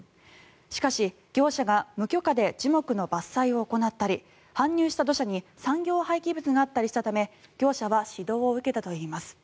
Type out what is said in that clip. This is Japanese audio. しかし、業者が無許可で樹木の伐採を行ったり搬入した土砂に産業廃棄物があったりしたため業者は指導を受けたといいます。